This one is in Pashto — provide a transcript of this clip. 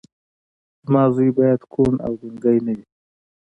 زما زوی باید کوڼ او ګونګی نه وي